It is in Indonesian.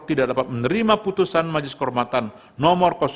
tidak dapat menerima putusan majelis kehormatan no dua